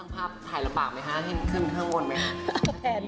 ภาพถ่ายลำบากไหมคะเห็นขึ้นข้างบนไหมคะ